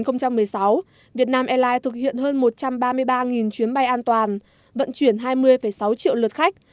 năm hai nghìn một mươi sáu việt nam airlines thực hiện hơn một trăm ba mươi ba chuyến bay an toàn vận chuyển hai mươi sáu triệu lượt khách